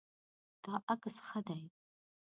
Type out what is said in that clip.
دا عکس ښه دی